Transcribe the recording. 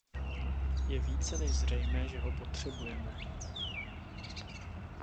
Je více než zřejmé, že ho potřebujeme.